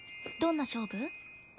どんな勝負？